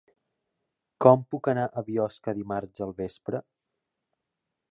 Com puc anar a Biosca dimarts al vespre?